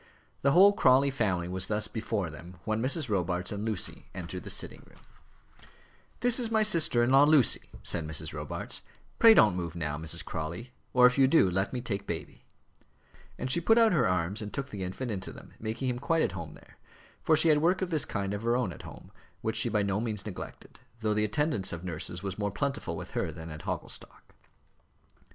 The whole Crawley family was thus before them when Mrs. Robarts and Lucy entered the sitting room. [Illustration: The Crawley Family.] "This is my sister in law, Lucy," said Mrs. Robarts. "Pray don't move now, Mrs. Crawley; or if you do, let me take baby." And she put out her arms and took the infant into them, making him quite at home there; for she had work of this kind of her own, at home, which she by no means neglected, though the attendance of nurses was more plentiful with her than at Hogglestock.